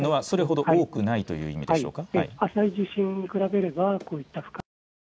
低調というのは、それほど多くないという意味でしょうか。